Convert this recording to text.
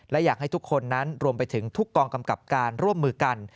และอยากให้ทุกคนนั้นรวมไปถึงทุกกองกำกับการร่วมมือกัน